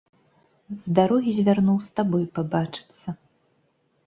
З дарогі звярнуў з табою пабачыцца.